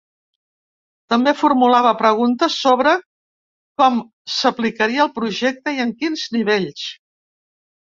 També formulava preguntes sobre com s’aplicaria el projecte i en quins nivells.